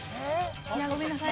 いやごめんなさい。